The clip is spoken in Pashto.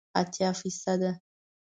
اتیا فیصده